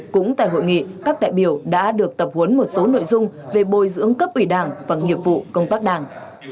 cũng tại hội nghị các đại biểu đã được tập huấn một số nội dung về bồi dưỡng cấp ủy đảng và nghiệp vụ công tác đảng